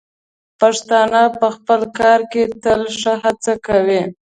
پښتانه په خپل کار کې تل ښه هڅه کوي.